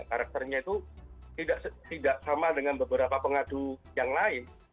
karakternya itu tidak sama dengan beberapa pengadu yang lain